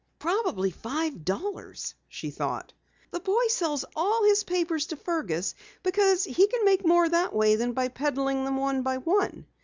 "Probably five dollars," she thought. "The boy sells all his papers to Fergus because he can make more that way than by peddling them one by one.